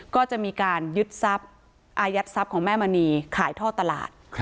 ก็จะมีการยึดทรัพย์อายัดทรัพย์ของแม่มณีขายท่อตลาด